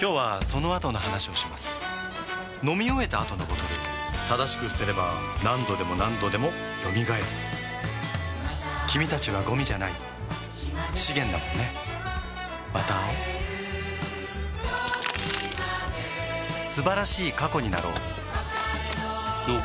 今日はそのあとの話をします飲み終えた後のボトル正しく捨てれば何度でも何度でも蘇る君たちはゴミじゃない資源だもんねまた会おう素晴らしい過去になろうおっおっ